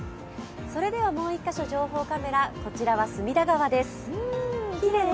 それではもう１カ所、情報カメラ、こちらは隅田川です。